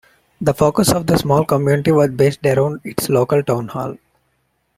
The focus of the small community was based around its local town hall.